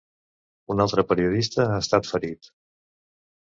Un altre periodista ha estat ferit.